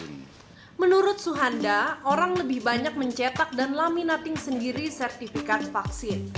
menurut suhanda orang lebih banyak mencetak dan laminating sendiri sertifikat vaksin